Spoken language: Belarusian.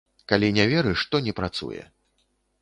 Калі не верыш, то не працуе.